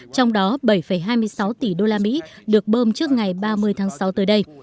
trong đó bảy hai mươi sáu tỷ đô la mỹ được bơm trước ngày ba mươi tháng sáu tới đây